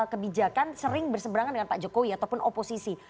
kebijakan sering berseberangan dengan pak jokowi ataupun oposisi